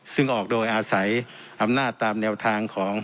ซึ่งออกโดยอาศัยอำนาจตามแนวทางของ